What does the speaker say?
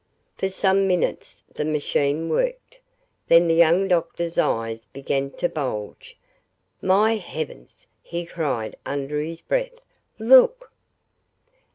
For some minutes the machine worked. Then the young doctor's eyes began to bulge. "My heavens!" he cried under his breath. "Look!"